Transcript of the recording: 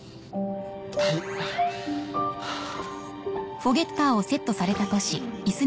はいはぁ。